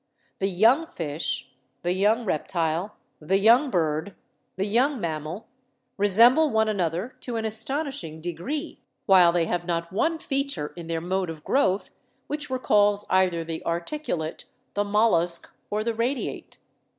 The young Fish, the young Reptile, the young Bird, the young Mammal, resemble one another to an astonishing degree, while they have not one feature in their mode of growth which recalls either the Articulate, the Mollusk, or the Radiate.